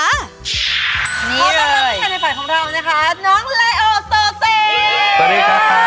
อันนั้นเราข้างนอกผู้ชายในฝันของเรานะคะ